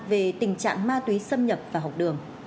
về tình trạng ma túy xâm nhập vào học đường